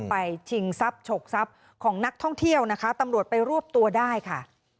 ชิงทรัพย์ฉกทรัพย์ของนักท่องเที่ยวนะคะตำรวจไปรวบตัวได้ค่ะ